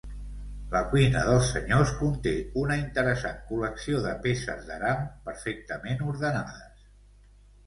La cuina dels senyors conté una interessant col·lecció de peces d'aram perfectament ordenades.